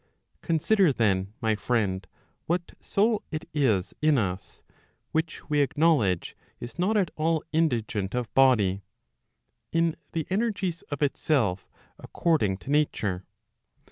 Consider then, my friend, what soul it is in us, which we acknowledge is not at all indigent of body, in the energies of itself according to nature